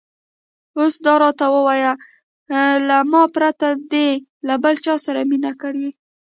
اوس دا راته ووایه، له ما پرته دې له بل چا سره مینه کړې؟